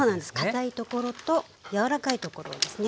かたいところと柔らかいところですね。